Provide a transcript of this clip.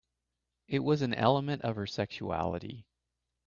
It was an element of her sexuality.